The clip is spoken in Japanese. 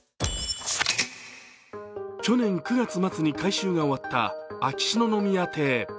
去年９月末に改修が終わった秋篠宮邸。